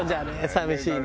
寂しいね。